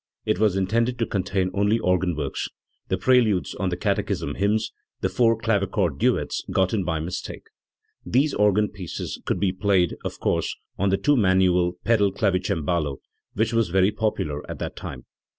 It was intended to contain only organ works, the preludes on the catechism hymns; the four clavichord duets got in by mistake. These organ pieces could be played, of course, on the two manual pedal clavicembalo, which was very popular at that time.